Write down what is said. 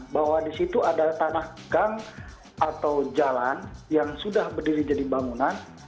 bahwa di situ ada tanah gang atau jalan yang sudah berdiri jadi bangunan